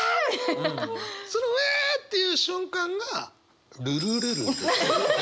その「うわあ！」っていう瞬間が「ルルルルル」。